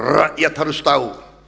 rakyat harus tahu